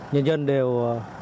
nhân dân đều